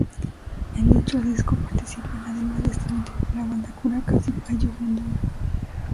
En dicho disco participan, además de este último, la banda Curacas y Payo Grondona.